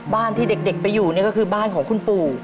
ที่เด็กไปอยู่เนี่ยก็คือบ้านของคุณปู่